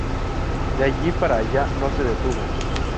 De allí para allá no se detuvo.